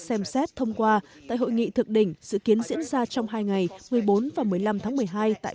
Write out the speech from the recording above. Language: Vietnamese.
xem xét thông qua tại hội nghị thượng đỉnh dự kiến diễn ra trong hai ngày một mươi bốn và một mươi năm tháng một mươi hai tại